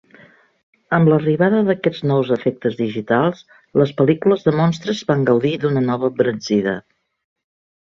Amb l'arribada d'aquests nous efectes digitals, les pel·lícules de monstres van gaudir d'una nova embranzida.